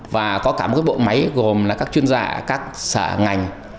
và có cả một bộ máy gồm là các chuyên gia các sở ngành